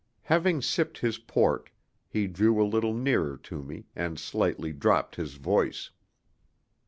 Having sipped his port, he drew a little nearer to me, and slightly dropped his voice.